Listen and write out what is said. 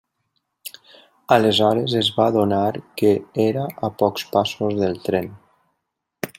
Aleshores es va adonar que era a pocs passos del tren.